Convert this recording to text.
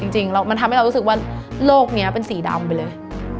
จริงแล้วมันทำให้เรารู้สึกว่าโลกนี้เป็นสีดำไปเลย